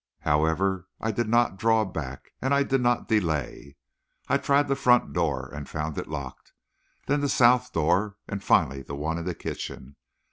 However, I did not draw back, and I did not delay. I tried the front door, and found it locked; then the south door, and finally the one in the kitchen.